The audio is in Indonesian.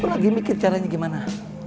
lagi mikir caranya gimana